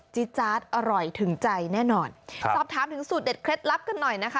จี๊จาดอร่อยถึงใจแน่นอนครับสอบถามถึงสูตรเด็ดเคล็ดลับกันหน่อยนะคะ